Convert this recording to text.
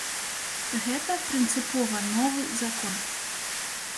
Гэта прынцыпова новы закон.